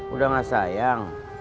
udah gak sayang